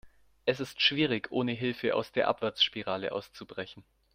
Es ist schwierig, ohne Hilfe aus der Abwärtsspirale auszubrechen.